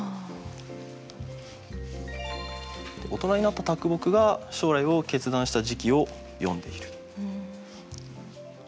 大人になった木が将来を決断した時期を詠んでいる。